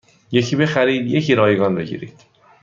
یکی بخرید یکی رایگان بگیرید